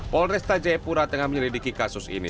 polresta jayapura tengah menyelidiki kasus ini